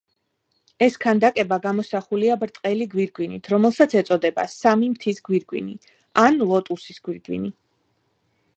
ეს ქანდაკება გამოსახულია ბრტყელი გვირგვინით, რომელსაც ეწოდება „სამი მთის გვირგვინი“ ან „ლოტუსის გვირგვინი“.